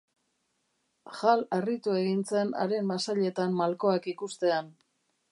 Hal harritu egin zen haren masailetan malkoak ikustean.